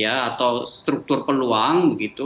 atau struktur peluang begitu